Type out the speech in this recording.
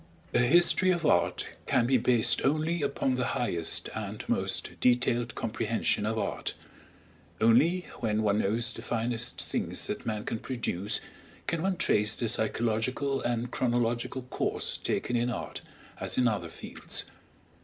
A history of art can be based only upon the highest and most detailed comprehension of art; only when one knows the finest things that man can produce can one trace the psychological and chronological course taken in art, as in other fields.